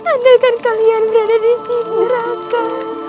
anda akan berada disini raka